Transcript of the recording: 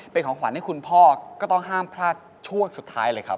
เป็นของขวัญให้คุณพ่อก็ต้องห้ามพลาดช่วงสุดท้ายเลยครับ